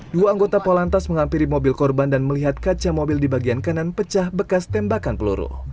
dua anggota polantas menghampiri mobil korban dan melihat kaca mobil di bagian kanan pecah bekas tembakan peluru